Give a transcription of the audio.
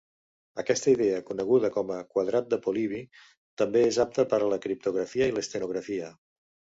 Aquesta idea, coneguda com a "quadrat de Polibi", també és apta per a la criptografia i l'estenografia.